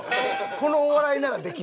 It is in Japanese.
このお笑いならできる。